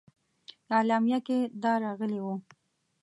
اعلامیه کې دا راغلي وه.